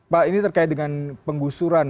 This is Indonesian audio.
pak ini terkait dengan penggusuran